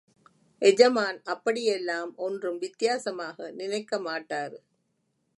எஜமான் அப்படியெல்லாம் ஒன்றும் வித்தியாசமா நினைக்கமாட்டாரு.